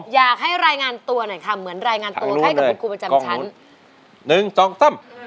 อยากให้รายงานตัวหน่อยค่ะเหมือนรายงานตัวให้กับคุณครูประจำชั้น๑๒ตั้ม